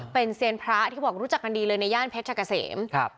เป็นเซียนพระที่เขาบอกรู้จักกันดีเลยในย่านเพชรชะกะเสม